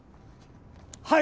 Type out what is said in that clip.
はい！